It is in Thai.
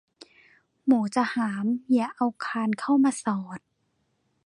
หมูจะหามอย่าเอาคานเข้ามาสอด